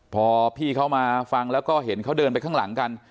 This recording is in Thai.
พอพี่เขามาฟังแล้วก็เห็นเขาเดินไปข้างหลังกัน